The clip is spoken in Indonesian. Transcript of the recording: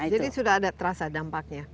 jadi sudah ada terasa dampaknya